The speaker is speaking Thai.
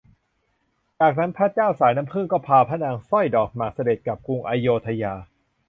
จากนั้นพระเจ้าสายน้ำผึ้งก็พาพระนางสร้อยดอกหมากเสด็จกลับกรุงอโยธยา